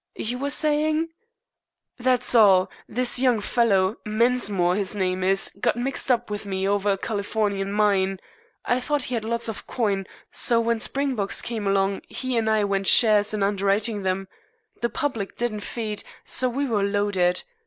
"You were saying " "That's all. This young fellow, Mensmore his name is, got mixed up with me over a Californian mine. I thought he had lots of coin, so when Springboks came along he and I went shares in underwriting them. The public didn't feed, so we were loaded.